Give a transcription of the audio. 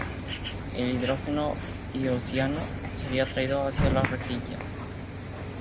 El hidrógeno ionizado sería atraído hacia las rejillas.